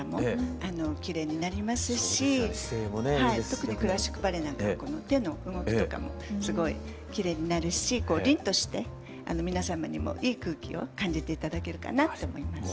特にクラシックバレエなんかは手の動きとかもすごいきれいになるしりんとして皆様にもいい空気を感じて頂けるかなと思います。